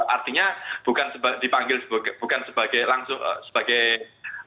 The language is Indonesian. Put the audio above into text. artinya bukan dipanggil bukan sebagai langsung sebagai tersangka